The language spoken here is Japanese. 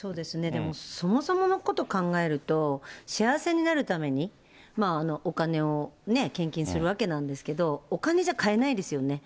でも、そもそものこと考えると、幸せになるために、お金をね、献金するわけなんですけど、お金じゃ買えないですよね。